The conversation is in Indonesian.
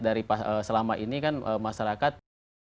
dari selama ini kan masyarakat